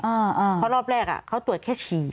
อ่าอ่าเพราะรอบแรกอะเขาตรวจแค่ชี